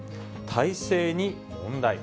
体制に問題。